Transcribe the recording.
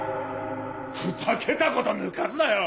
ふざけたこと抜かすなよ！